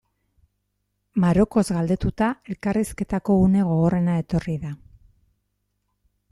Marokoz galdetuta, elkarrizketako une gogorrena etorri da.